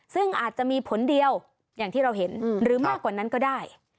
ซึ่งอาจจะมีผลเดียวอย่างที่เราเห็นหรือมากกว่านั้นก็ได้